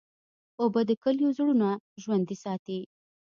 اوبه د کلیو زړونه ژوندی ساتي.